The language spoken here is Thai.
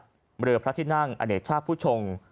เรือพระที่นั่งอเนกชาติผู้ชง